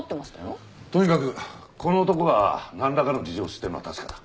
とにかくこの男がなんらかの事情を知ってるのは確かだ。